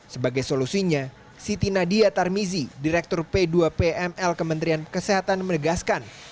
sebagai solusinya siti nadia tarmizi direktur p dua pml kementerian kesehatan menegaskan